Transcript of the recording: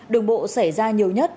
đường bộ xảy ra nhiều nhất